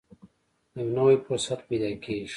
یو نوی فرصت پیدا کېږي.